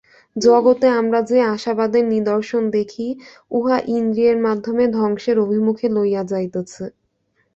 জগতে আমরা যে আশাবাদের নিদর্শন দেখি, উহা ইন্দ্রিয়ের মাধ্যমে ধ্বংসের অভিমুখে লইয়া যাইতেছে।